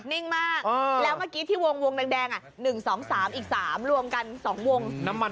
นิ่งมากแล้วเมื่อกี้ที่วงแดง๑๒๓อีก๓รวมกัน๒วง